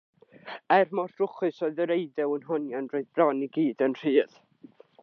Er mor drwchus oedd yr eiddew yn hongian, roedd bron i gyd yn rhydd.